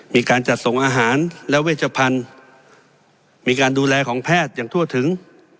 มีการจัดส่งอาหารและเวชพันธุ์มีการดูแลของแพทย์อย่างทั่วถึง